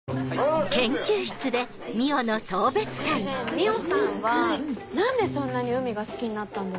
海音さんは何でそんなに海が好きになったんですか？